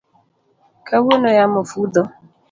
Kawuono yamo fudho